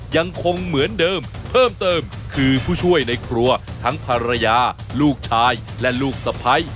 ยังคงเหมือนเดิมเพิ่มเติมคือผู้ช่วยในครัวทั้งภรรยาลูกชายและลูกสะพ้าย